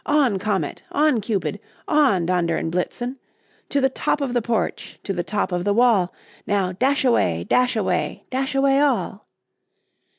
On! Comet, on! Cupid, on! Dunder and Blitzen To the top of the porch, to the top of the wall! Now, dash away, dash away, dash away all!"